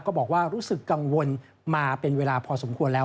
บอกว่ารู้สึกกังวลมาเป็นเวลาพอสมควรแล้ว